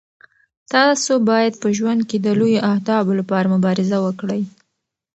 تاسو باید په ژوند کې د لویو اهدافو لپاره مبارزه وکړئ.